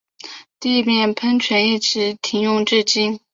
地面喷泉一直停用至今。